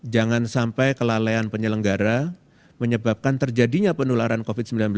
jangan sampai kelalaian penyelenggara menyebabkan terjadinya penularan covid sembilan belas